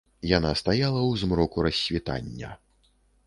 Яна стаяла ў змроку рассвітання.